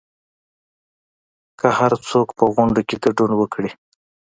که هرڅوک په غونډو کې ګډون وکړي